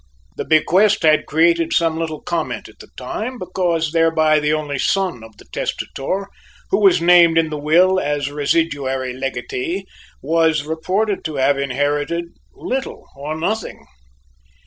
The bequest had created some little comment at the time, because thereby the only son of the testator, who was named in the will as residuary legatee, was reported to have inherited little or nothing.